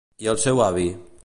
I el seu avi?